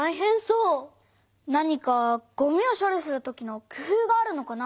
何かごみを処理するときの工夫があるのかな？